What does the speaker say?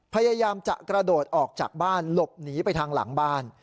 พยายามจะกระโดดออกจากบ้านหลบหนีไปทางหลังบ้าน